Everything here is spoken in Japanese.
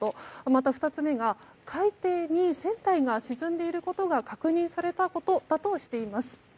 また、２つ目が海底に船体が沈んでいることが確認されたことだとしています。